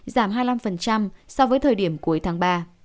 giảm hai mươi năm so với thời điểm cuối tháng ba